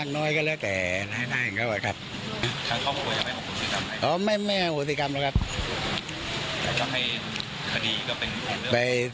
เนี่ยมาทำให้ขติก็มักไป